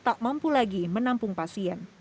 tak mampu lagi menampung pasien